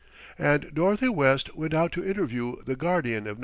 And Dorothy West went out to interview the guardian of No.